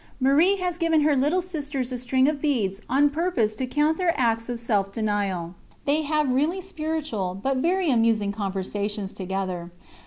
Marie has given her little sisters a string of beads on purpose to count their acts of self denial. They have really spiritual, but very amusing, conversations together.